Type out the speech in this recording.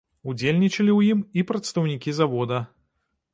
Удзельнічалі ў ім і прадстаўнікі завода.